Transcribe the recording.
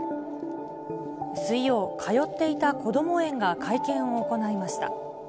水曜、通っていたこども園が会見を行いました。